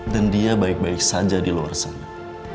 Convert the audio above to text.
dan dia baik baik saja di luar sana